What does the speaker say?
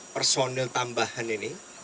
personil tambahan ini